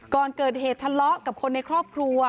ก่อนเกิดเหตุทะเลาะกับคนในครอบครัว